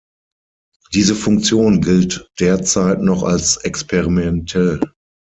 Diese Funktion gilt derzeit noch als "experimentell".